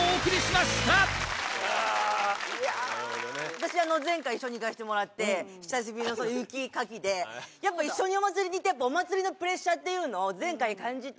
私前回一緒に行かせてもらって久しぶりの雪かきでやっぱ一緒に「お祭り」に行って「お祭り」のプレッシャーっていうのを前回感じて。